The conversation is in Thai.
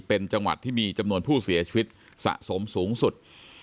เป็นจังหวัดที่มีจำนวนผู้เสียชีวิตสะสมสูงสุด